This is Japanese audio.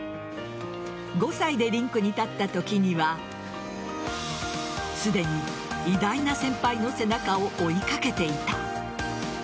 ５歳でリンクに立ったときにはすでに偉大な先輩の背中を追いかけていた。